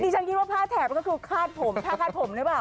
นี่ผมคิดว่าภาพแถบก็คือคาดผมภาพคาดผมอะไรหรือเปล่า